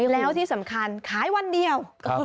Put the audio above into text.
แล้วที่สำคัญขายวันเดียว